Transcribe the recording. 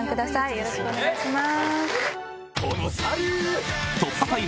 よろしくお願いします。